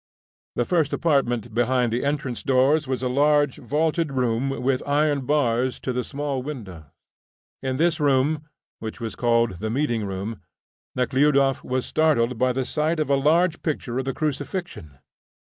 The first apartment behind the entrance doors was a large vaulted room with iron bars to the small windows. In this room, which was called the meeting room, Nekhludoff was startled by the sight of a large picture of the Crucifixion.